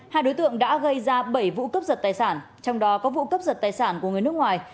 hai đối tượng đã gây ra bảy vụ cướp giật tài sản trong đó có vụ cấp giật tài sản của người nước ngoài